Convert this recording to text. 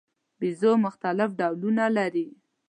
بیزو مختلف ډولونه لري.